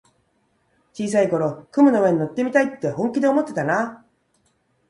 小さい頃、雲の上に乗ってみたいって本気で思ってたなあ。